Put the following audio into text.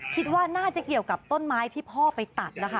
คิดว่าน่าจะเกี่ยวกับต้นไม้ที่พ่อไปตัดนะคะ